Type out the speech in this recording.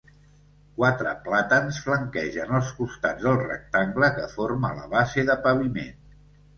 Quatre plàtans flanquegen els costats del rectangle que forma la base de paviment.